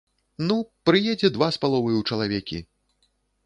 Ну, прыедзе два з паловаю чалавекі.